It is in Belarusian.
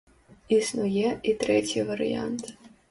Існуе і трэці варыянт.